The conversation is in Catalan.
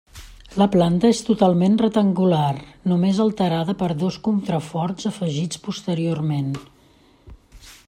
La planta és totalment rectangular només alterada per dos contraforts afegits posteriorment.